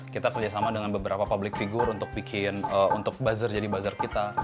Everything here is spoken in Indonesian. kita kerjasama dengan beberapa public figure untuk bikin untuk buzzer jadi buzzer kita